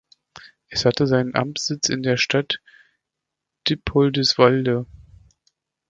Es hatte seinen Amtssitz in der Stadt Dippoldiswalde.